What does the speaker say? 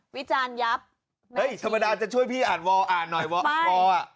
วิจารณ์ยับแม่ชีเอ้ยธรรมดาอาจจะช่วยพี่อ่านวออ่านหน่อยวอวออ่ะ